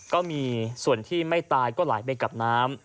ก็มีส่วนที่ไม่ตายก็ไหลไปกับน้ำ